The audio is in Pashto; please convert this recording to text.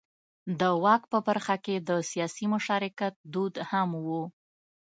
د واک په برخه کې د سیاسي مشارکت دود هم و.